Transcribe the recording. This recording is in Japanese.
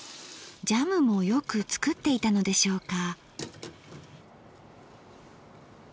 ジャムもよく作っていたのでしょうか。